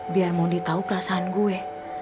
biar mondi tau perasaan gue